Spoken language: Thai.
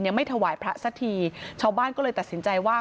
ไม่ถวายพระสักทีชาวบ้านก็เลยตัดสินใจว่า